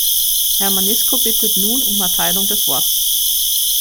Herr Manisco bittet nun um Erteilung des Worts.